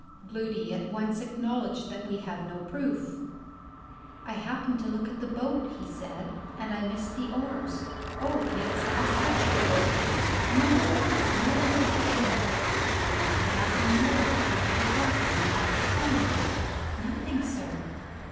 Gloody at once acknowledged that we had no proof. "I happened to look at the boat," he said, "and I missed the oars. Oh, yes; I searched the boat house. No oars! no oars!" "And nothing more that you have forgotten, and ought to tell me?" "Nothing, sir."